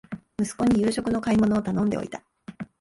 息子に夕食の買い物を頼んでおいた